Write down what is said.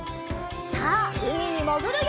さあうみにもぐるよ！